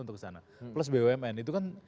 untuk kesana plus bumn itu kan